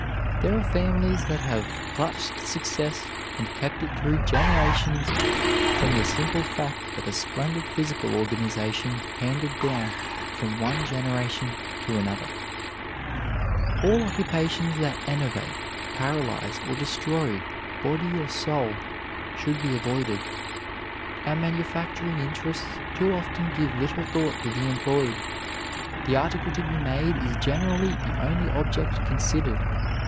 There are families that have "clutched success and kept it through generations from the simple fact of a splendid physical organization handed down from one generation to another." [Illustration: William Ewart Gladstone] All occupations that enervate, paralyze, or destroy body or soul should be avoided. Our manufacturing interests too often give little thought to the employed; the article to be made is generally the only object considered.